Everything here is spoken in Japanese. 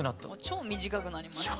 超短くなりました。